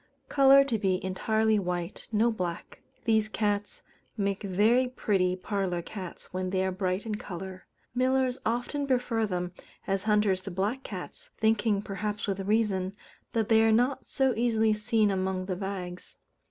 _ Colour to be entirely white: no black. These cats make very pretty parlour cats when they are bright in colour. Millers often prefer them as hunters to black cats, thinking, perhaps with reason, that they are not so easily seen among the bags.